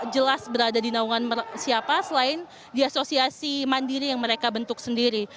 jelas berada di naungan siapa selain di asosiasi mandiri yang mereka bentuk sendiri